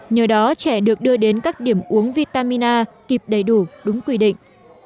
nhờ đó trẻ được đưa đến các điểm uống vitamin a kịp đầy đủ đúng quy định